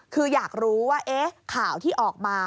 คืออยากรู้ว่าข่าวที่ออกมา